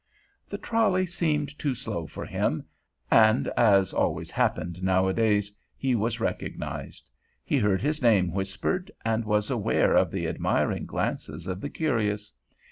The trolley seemed too slow for him, and, as always happened nowadays, he was recognized; he heard his name whispered, and was aware of the admiring glances of the curious.